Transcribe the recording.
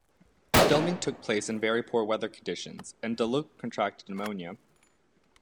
Filming took place in very poor weather conditions and Delluc contracted pneumonia.